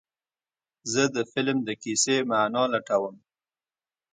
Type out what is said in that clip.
زه د فلم د کیسې معنی لټوم.